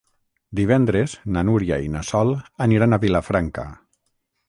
Divendres na Núria i na Sol aniran a Vilafranca.